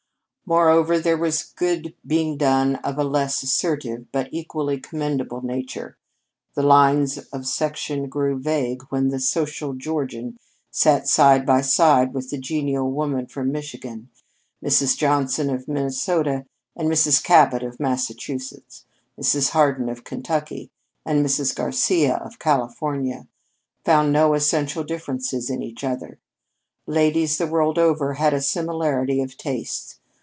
Moreover, there was good being done of a less assertive but equally commendable nature. The lines of section grew vague when the social Georgian sat side by side with the genial woman from Michigan. Mrs. Johnson of Minnesota and Mrs. Cabot of Massachusetts, Mrs. Hardin of Kentucky and Mrs. Garcia of California, found no essential differences in each other. Ladies, the world over, have a similarity of tastes.